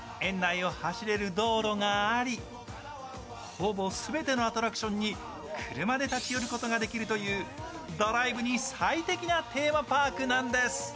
ほぼ全てのアトラクションに車で立ち寄ることができるというドライブに最適なテーマパークなんです。